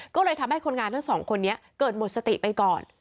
ก็เลยทำให้คนงานทั้งสองคนนี้เกิดหมดสติไปก่อน